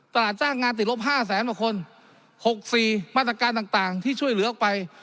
ตลาดจ้างงานติดลบห้าแสนบาทคนหกสี่มาตรการต่างต่างที่ช่วยเหลือออกไป